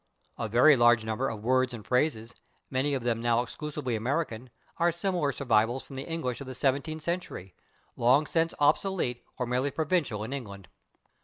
A very large number of words and phrases, many of them now exclusively American, are similar survivals from the English of the seventeenth century, long since obsolete or merely provincial in England.